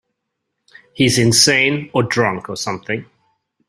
He's insane or drunk or something.